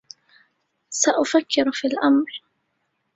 سأفكّر في الأمر.